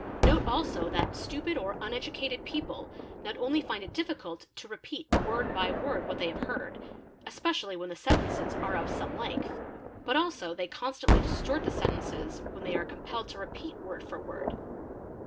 Note also that stupid or uneducated i people not only find it difficult to repeat word by word what they have heard, especially when the sentences are of some length, but also they ; constantly distort the sentences when they are compelled to repeat word for word.